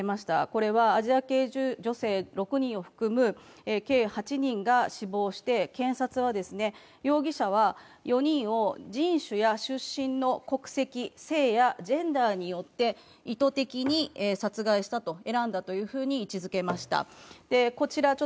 これはアジア系女性６人を含む計８人が死亡して、検察は容疑者は４人を人種や出身の国籍、性やジェンダーによって意図的に殺害した、選んだというふうに位置づけました。